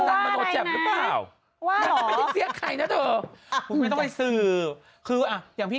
อ่ะไม่ต้องไปสื่อคือใจ